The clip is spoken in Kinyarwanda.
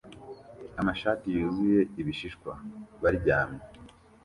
amashati yuzuye ibishishwa baryamye